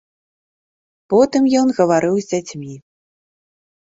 Потым ён гаварыў з дзяцьмі.